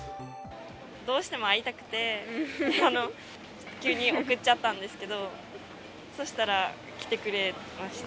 どうしても会いたくて、急に送っちゃったんですけど、そしたら、来てくれました。